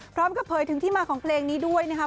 พร้อมกระเภยถึงที่มาของเพลงนี้ด้วยนะครับ